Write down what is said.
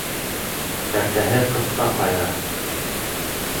Тәртәһе ҡыҫҡа ҡайыра.